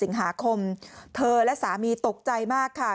ที่เจ้าและสามีตกใจมากค่ะ